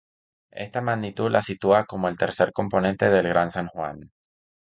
Esta magnitud la sitúa como el tercer componente del Gran San Juan.